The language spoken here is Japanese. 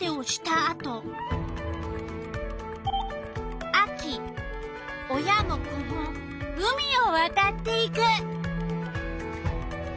あと秋親も子も海をわたっていく。